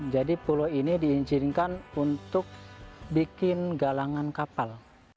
jadi pulau ini diizinkan untuk bikin galangan kapal